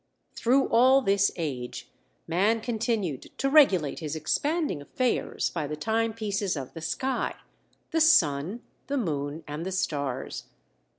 Through all this age man continued to regulate his expanding affairs by the timepieces of the sky—the sun, the moon, and the stars.